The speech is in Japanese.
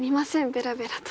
ベラベラと。